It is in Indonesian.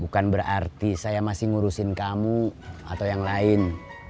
bukan berarti saya masih ngurusin kamu atau yang lain